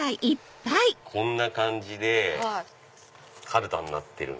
こんな感じでカルタになってる。